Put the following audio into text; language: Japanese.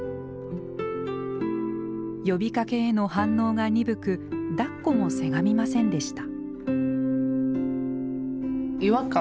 呼びかけへの反応が鈍くだっこもせがみませんでした。